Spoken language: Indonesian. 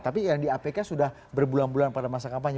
tapi yang di apk sudah berbulan bulan pada masa kampanye